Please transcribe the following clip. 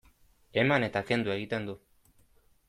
Eman eta kendu egiten du.